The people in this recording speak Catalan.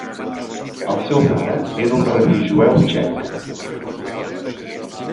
El seu pare era un rabí jueu txec.